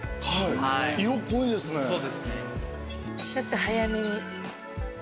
ちょっと早めに。